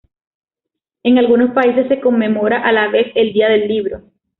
En algunos países se conmemora a la vez el Día del Libro.